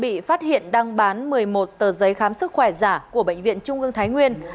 tù vân bị phát hiện đăng bán một mươi một tờ giấy khám sức khỏe giả của bệnh viện trung ương thái nguyên